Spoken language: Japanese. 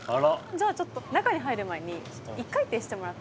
じゃあちょっと中に入る前に１回転してもらって。